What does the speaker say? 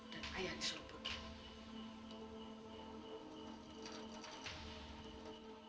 dan ayah disuruh pergi